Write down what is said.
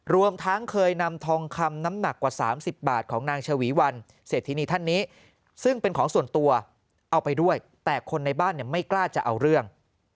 รวมทั้งเคยนำทองคำน้ำหนักกว่า๓๐บาทของนางชวีวันเศรษฐินีท่านนี้ซึ่งเป็นของส่วนตัวเอาไปด้วยแต่คนในบ้านไม่กล้าจะเอาเรื่อง